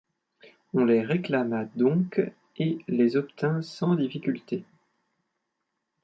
On les réclama donc et les obtint sans difficulté.